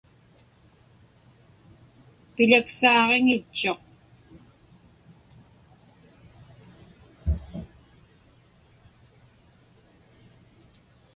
Piḷaksaaġiŋitchuq.